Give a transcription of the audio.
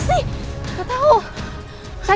jangan ke sana